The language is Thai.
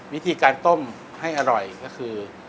วิธีการต้มให้อร่อยก็คือ